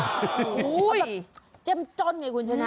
โอ้โหแบบเจ็มจ้อนไงคุณฉันนะ